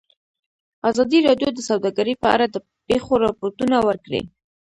ازادي راډیو د سوداګري په اړه د پېښو رپوټونه ورکړي.